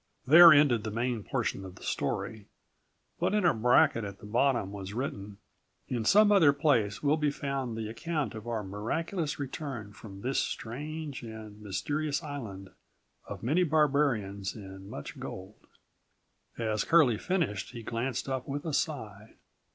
There ended the main portion of the story, but in a bracket at the bottom was written: "In some other place will be found the account121 of our miraculous return from this strange and mysterious island of many barbarians and much gold." As Curlie finished, he glanced up with a sigh.